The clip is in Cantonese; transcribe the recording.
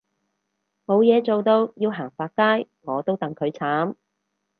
冇嘢做到要行百佳我都戥佢慘